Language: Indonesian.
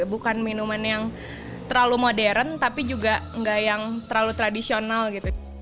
bukan minuman yang terlalu modern tapi juga nggak yang terlalu tradisional gitu